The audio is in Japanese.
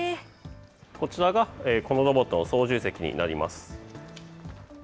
こちらがこのロボットの操縦席になります。